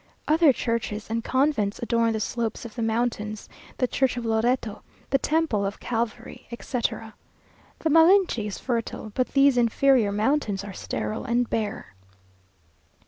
Other churches and convents adorn the slopes of the mountains, the Church of Loreto, the Temple of Calvary, etc. The Malinchi is fertile, but these inferior mountains are sterile and bare.